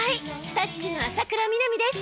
「タッチ」の浅倉南です。